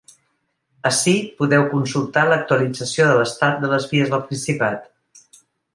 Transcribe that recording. Ací podeu consultar l’actualització de l’estat de les vies del Principat.